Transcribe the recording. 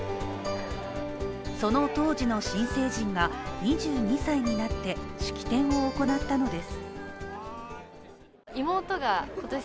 その当時の新成人が２２歳になって式典を行ったのです。